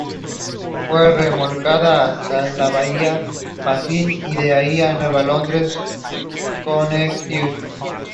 He is also known by his nickname "Memo".